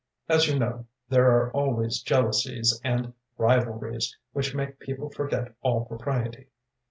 “As you know, there are always jealousies and rivalries, which make people forget all propriety.